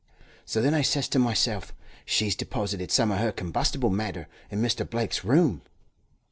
So then I says to myself, 'She's deposited some o' her combustible matter in Mr. Blake's room.'